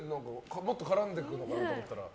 もっと絡んでくるかと思ったら。